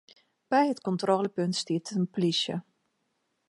By it kontrôlepunt stiet in plysje.